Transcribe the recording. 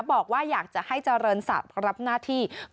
บอกว่าอยากจะให้เจริญศักดิ์รับหน้าที่